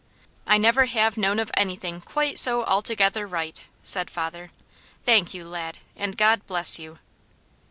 "I never have known of anything quite so altogether right," said father. "Thank you, lad, and God bless you!"